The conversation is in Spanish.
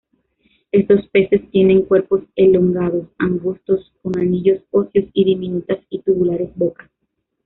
Estos peces tienen cuerpos elongados, angostos, con anillos óseos, y diminutas y tubulares bocas.